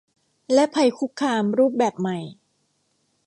และภัยคุกคามรูปแบบใหม่